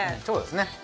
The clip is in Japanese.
そうですね。